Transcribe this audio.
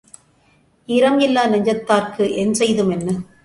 ஈரம் இல்லா நெஞ்சத்தார்க்கு என் செய்தும் என்ன?